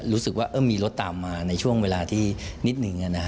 รู้สึกว่ามีรถตามมาในช่วงเวลาที่นิดนึง